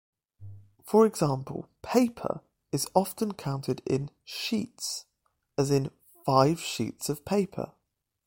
For example, "paper" is often counted in "sheets" as in "five sheets of paper".